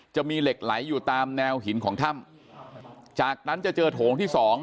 จะมีเหล็กไหลอยู่ตามแนวหินของถ้ำจากนั้นจะเจอโถงที่สอง